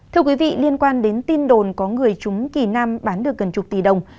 thưa quý vị liên quan đến tin đồn có người trúng kỳ nam bán được gần chục tỷ đồng